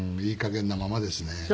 いい加減なままですね。